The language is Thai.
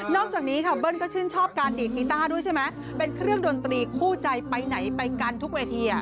จากนี้ค่ะเบิ้ลก็ชื่นชอบการดีดกีต้าด้วยใช่ไหมเป็นเครื่องดนตรีคู่ใจไปไหนไปกันทุกเวที